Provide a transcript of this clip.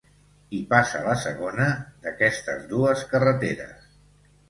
Hi passa la segona, d'aquestes dues carreteres.